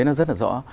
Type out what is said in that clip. nó rất là rõ